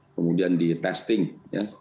kemudian di testing ya